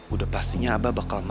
udah pastinya abah bakal